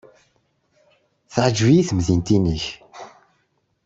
Teɛjeb-iyi temdint-nnek.